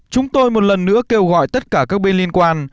chúng tôi một lần nữa kêu gọi tất cả các bên liên quan